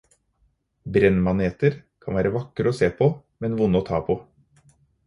Brennmaneter kan være vakre å se på, men vonde å ta på.